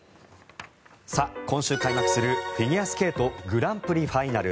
今週開幕するフィギュアスケートグランプリファイナル。